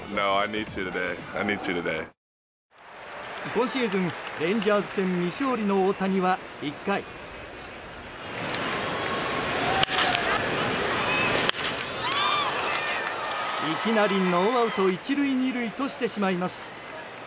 今シーズン、レンジャース戦未勝利の大谷は１回、いきなりノーアウト１塁２塁としてしまいます。